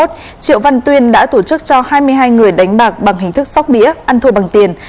triệu văn tuyên đã tổ chức cho hai mươi hai người đánh bạc bằng hình thức sóc đĩa ăn thua bằng tiền